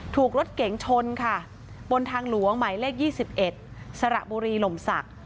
ถูกรถเก๋งชนค่ะบนทางหลวงหมายเลข๒๑สระบุรีหล่มศักดิ์